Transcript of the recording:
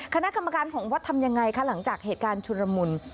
คณะกรรมการของวัดทำยังไงคะหลังจากเหตุการณ์ชุลมุน